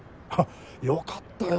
良かったよ